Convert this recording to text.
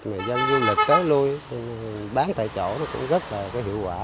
người dân du lịch tới lui bán tại chỗ nó cũng rất là có hiệu quả